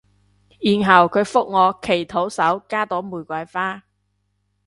然後佢覆我祈禱手加朵玫瑰花